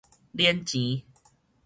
撚錢